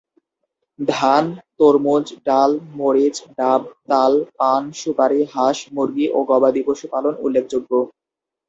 ধান, তরমুজ, ডাল, মরিচ, ডাব, তাল, পান, সুুপারি, হাঁস, মুরগি ও গবাদিপশু পালন উল্লেখযোগ্য।